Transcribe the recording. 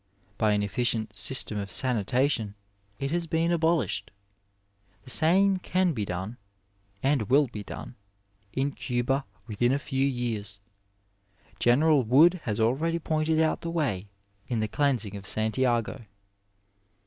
By an efficient system of sanitation it has been abolished. The same can be done (and will be done) in Caba within a few years. General Wood has already pointed out the way in the cleansing of Santiago.